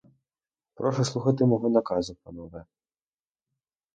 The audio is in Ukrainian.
Прошу слухати мого наказу, панове!